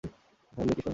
সামনেই ক্রিসমাস আসছে।